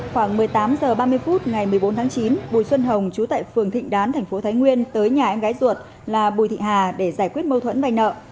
khoảng một mươi tám h ba mươi phút ngày một mươi bốn tháng chín bùi xuân hồng chú tại phường thịnh đán tp thái nguyên tới nhà em gái ruột là bùi thị hà để giải quyết mâu thuẫn vay nợ